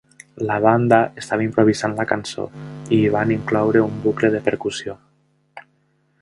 La banda estava improvisant a la cançó, i hi van incloure un bucle de percusió.